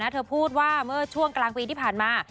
เธอพูดว่าเมื่อช่วงกลางปีที่ผ่านมา